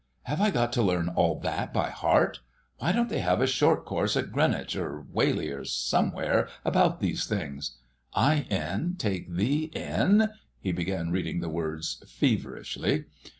"Have I got to learn all that by heart? Why don't they have a Short Course at Greenwich, or Whaley, or somewhere, about these things. "I, 'N,' take thee, 'N'"—he began reading the words feverishly.